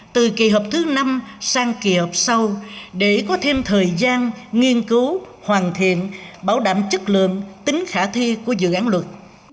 từ kỳ họp thứ năm sang kỳ họp sau để có thêm thời gian nghiên cứu hoàn thiện bảo đảm chất lượng tính khả thi của dự án luật